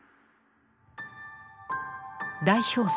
代表作